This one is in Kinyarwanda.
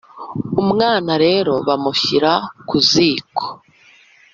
Umwana rero bamushyira ku ziko.